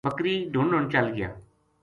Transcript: بکری ڈھُونڈن چل گیا